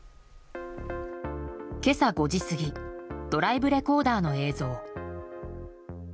今朝５時過ぎドライブレコーダーの映像。